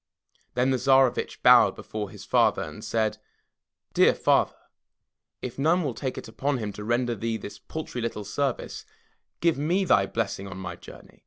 Then the Tsarevitch bowed before his father and said: Dear Father! if none will take it upon him to render thee this paltry little service, give me thy blessing on my journey.